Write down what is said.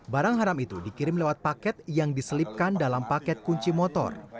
barang haram itu dikirim lewat paket yang diselipkan dalam paket kunci motor